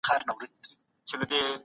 مادي همکاري بنسټ جوړوي.